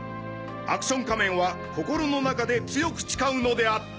「アクション仮面は心の中で強く誓うのであった」